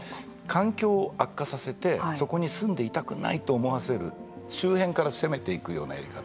環境を悪化させてそこに住んでいたくないと思わせる周辺から攻めていくようなやり方